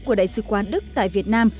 của đại sứ quán đức tại việt nam